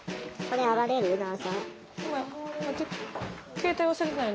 携帯忘れてない？